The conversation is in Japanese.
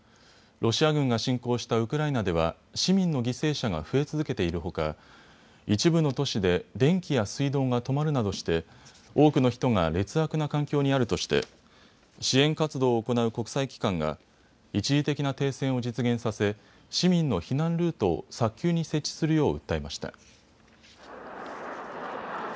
ロシア軍が侵攻したウクライナでは市民の犠牲者が増え続けているほか一部の都市で電気や水道が止まるなどして多くの人が劣悪な環境にあるとして支援活動を行う国際機関が一時的な停戦を実現させ市民の避難ルートを早急に設置するよう訴えました。